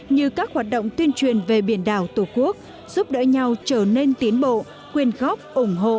như các hoạt động tuyên truyền về biển đảo tổ quốc giúp đỡ nhau trở nên tiến bộ quyên góp ủng hộ